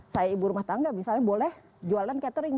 saya ibu rumah tangga misalnya boleh jualan catering